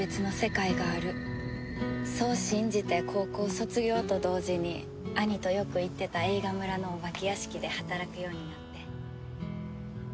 そう信じて高校卒業と同時に兄とよく行ってた映画村のお化け屋敷で働くようになって。